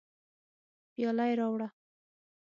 پیاله یې راوړه.